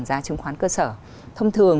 giá chứng khoán cơ sở thông thường